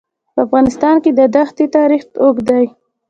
په افغانستان کې د دښتې تاریخ اوږد دی.